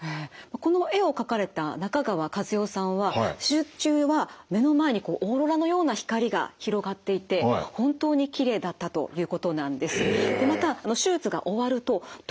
この絵を描かれた中川万代さんは手術中は目の前にこうオーロラのような光が広がっていて本当にきれいだったということなんです。